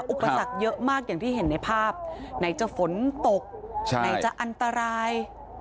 อุปสรรคเยอะมากอย่างที่เห็นในภาพไหนจะฝนตกไหนจะอันตราย